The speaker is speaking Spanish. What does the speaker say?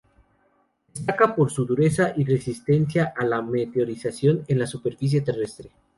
Destaca por su dureza y resistencia a la meteorización en la superficie terrestre.